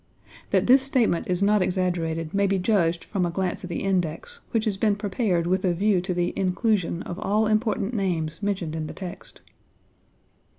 That this statement is not exaggerated may be judged from a glance at the index, which has been prepared with a view to the inclusion of all important names mentioned in the text.